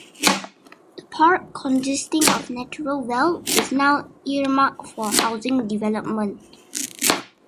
The park, consisting of natural veld, is now earmarked for housing development.